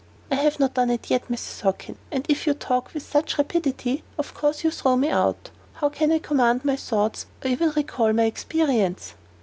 "I have not done it yet, Mrs. Hockin; and if you talk with such rapidity, of course you throw me out. How can I command my thoughts, or even recall my experience?"